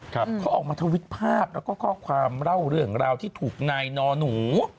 เขาออกมาทวิตภาพแล้วก็ข้อความเล่าเรื่องราวที่ถูกนายนอหนู